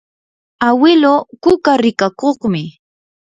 awiluu kuka rikakuqmi.